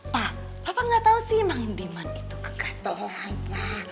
pak papa gak tau sih mang diman itu kegatelan ya